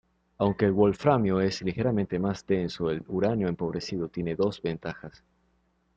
Aunque el wolframio es ligeramente más denso, el uranio empobrecido tiene dos ventajas.